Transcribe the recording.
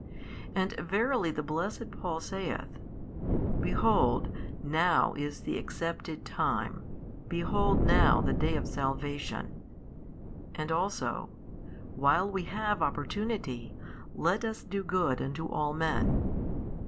And verily the blessed Paul saith, Behold, now is the accepted time, behold now the day of salvation, and also, While we have opportunity, let us do good unto all men.